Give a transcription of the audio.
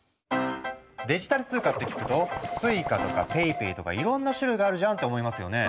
デジタル通貨って聞くと「Ｓｕｉｃａ」とか「ＰａｙＰａｙ」とかいろんな種類があるじゃんって思いますよね？